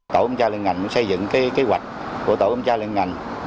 tổ công tra liên ngành xây dựng kế hoạch của tổ công tra liên ngành